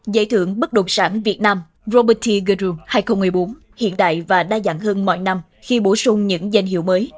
giải thưởng bất động sản việt nam robert t goom hai nghìn một mươi bốn hiện đại và đa dạng hơn mọi năm khi bổ sung những danh hiệu mới